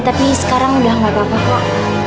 tapi sekarang udah gapapa kok